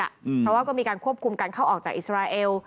เพราะว่าก็มีการควบคุมการเข้าออกจากอิสราเอล